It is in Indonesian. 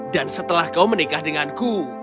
dan setelah kamu menikah dengan aku